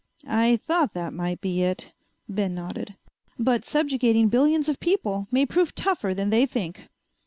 "I thought that might be it," Ben nodded. "But subjugating billions of people may prove tougher than they think."